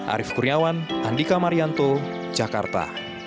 arief kurniawan andika marianto jakarta